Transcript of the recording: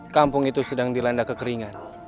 kampung itu sedang dilanda kekeringan